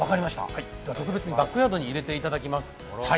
今日は特別にバックヤードに入れていただきます。